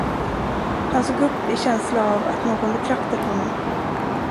Han såg upp i känsla av att någon betraktade honom.